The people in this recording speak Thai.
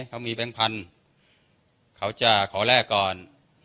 เขามีแบงค์พันธุ์เขาจะขอแลกก่อน